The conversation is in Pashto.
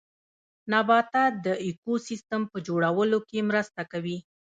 نباتات د ايکوسيستم په جوړولو کې مرسته کوي